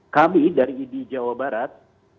kami dari idi jawa barat